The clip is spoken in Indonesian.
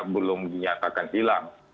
belum dinyatakan hilang